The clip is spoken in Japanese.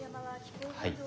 はい。